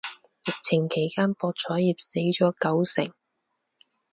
疫情期間博彩業死咗九成